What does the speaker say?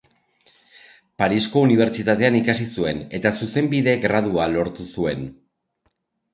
Parisko Unibertsitatean ikasi zuen eta zuzenbide gradua lortu zuen.